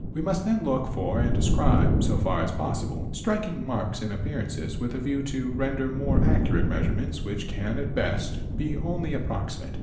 We must then look — for and describe, so far as possible, striking marks and appearances, with a view to render more accurate measurements which can at best be only approximate.